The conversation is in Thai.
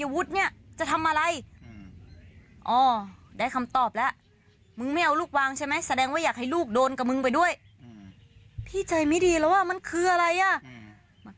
ว่าอยากให้ลูกโดนกับมึงไปด้วยพี่ใจไม่ได้แล้วว่ามันคืออะไร